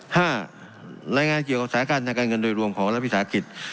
ห้ารายงานเกี่ยวกับศาสตร์การจัดการเงินโดยรวมของระวังภิกษาอักษร